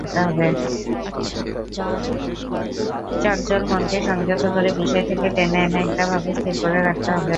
চঞ্চল মনকে সংযত করে বিষয় থেকে টেনে এনে একটা ভাবে স্থির করে রাখতে হবে।